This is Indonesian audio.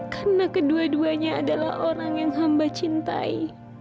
karena kedua duanya adalah orang yang hamba cintai